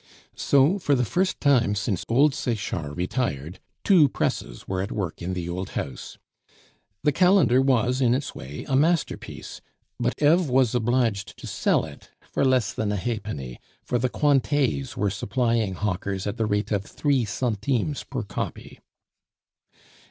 So, for the first time since old Sechard retired, two presses were at work in the old house. The calendar was, in its way, a masterpiece; but Eve was obliged to sell it for less than a halfpenny, for the Cointets were supplying hawkers at the rate of three centimes per copy.